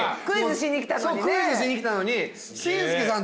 クイズしに来たのにね。